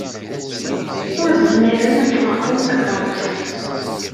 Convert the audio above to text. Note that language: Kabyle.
Ur tezmirem ad tnehṛem takeṛṛust.